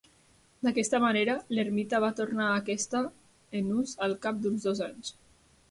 D'aquesta manera l'ermita va tornar a aquesta en ús al cap d'uns dos anys.